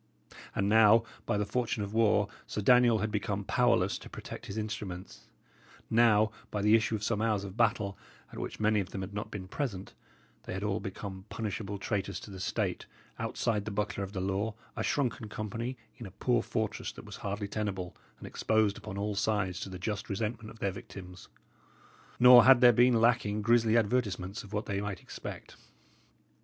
And now, by the fortune of war, Sir Daniel had become powerless to protect his instruments; now, by the issue of some hours of battle, at which many of them had not been present, they had all become punishable traitors to the State, outside the buckler of the law, a shrunken company in a poor fortress that was hardly tenable, and exposed upon all sides to the just resentment of their victims. Nor had there been lacking grisly advertisements of what they might expect.